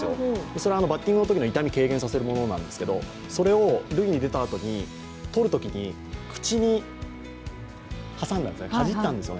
それはバッティングのときの痛みを軽減させるものなんですけど、それを塁に出たあと、取るとき口に挟んだ、かじったんですよ。